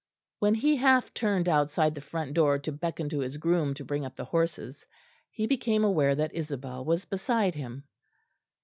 When he half turned outside the front door to beckon to his groom to bring up the horses, he became aware that Isabel was beside him.